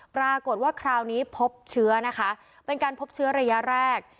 ปรากฏว่าคราวนี้พบเชื้อนะคะเป็นการพบเชื้อระยะแรก